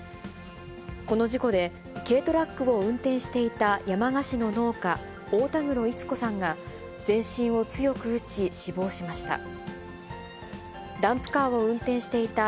この事故で、軽トラックを運転していた山鹿市の農家、太田黒逸子さんが全身を強く打ち、死亡しました。